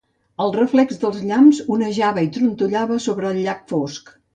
El reflex dels llamps onejava i trontollava sobre el llac fosc.